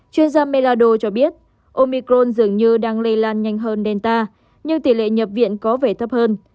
chuyên gia melado cho biết omicron dường như đang lây lan nhanh hơn delta nhưng tỷ lệ nhập viện có vẻ thấp hơn